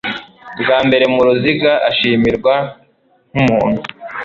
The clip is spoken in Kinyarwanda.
bwa mbere mu ruziga ashimirwa nk'umuntu